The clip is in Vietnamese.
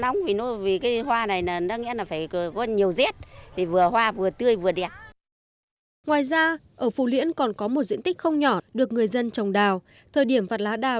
ngoài ra ở phù liễn còn có một diện tích không nhỏ được người dân trồng đào thời điểm vặt lá đào